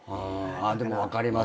でも分かります。